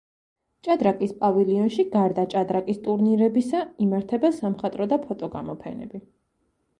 ჭადრაკის პავილიონში გარდა ჭადრაკის ტურნირებისა იმართება სამხატვრო და ფოტო გამოფენები.